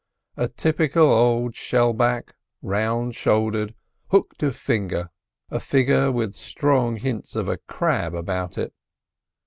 A typical old shell back, round shouldered, hooked of finger; a figure with strong hints of a crab about it.